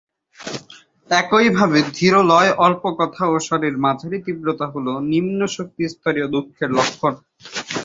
একইভাবে, "ধীর লয়, অল্প কথা ও স্বরের মাঝারি তীব্রতা হল নিম্ন শক্তিস্তরীয় দুঃখের লক্ষণ"।